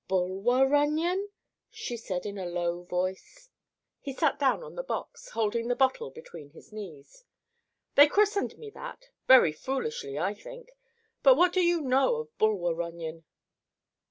"Bulwer Runyon?" she said in a low voice. He sat down on the box, holding the bottle between his knees. "They christened me that. Very foolishly, I think. But what do you know of Bulwer Runyon?"